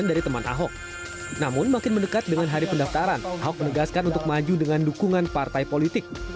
dengan hari pendaftaran ahok menegaskan untuk maju dengan dukungan partai politik